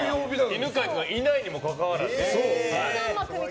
犬飼君がいないにもかかわらずね。